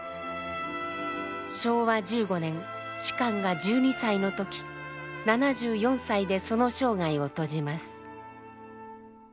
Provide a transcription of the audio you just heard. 昭和１５年芝が１２歳の時７４歳でその生涯を閉じます。